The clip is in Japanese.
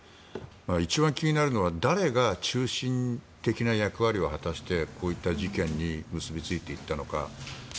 一番気になるのは誰が中心的な役割を果たしてこういった事件に結びついていったのか。